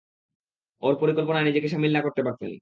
ওর পরিকল্পনায় নিজেকে শামিল না করতে পারতেন।